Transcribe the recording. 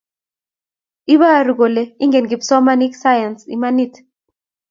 iboru kole ingen kipsomaninikab sayans imanit